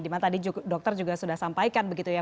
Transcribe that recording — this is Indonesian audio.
dimana tadi dokter juga sudah sampaikan begitu ya